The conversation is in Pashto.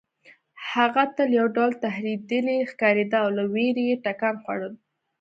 هغه تل یو ډول ترهېدلې ښکارېده او له وېرې یې ټکان خوړل